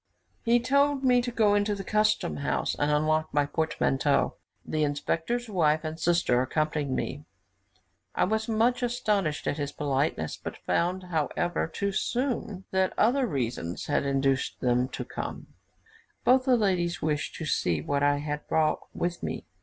He told me to go into the custom house, and unlock my portmanteau. The inspector's wife and sister accompanied me. I was much astonished at this politeness, but found, however, too soon that other reasons had induced them to come both the ladies wished to see what I had brought with me.